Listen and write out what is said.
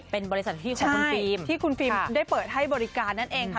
เป็นบริษัทที่ของคุณฟิล์มที่คุณฟิล์มได้เปิดให้บริการนั่นเองค่ะ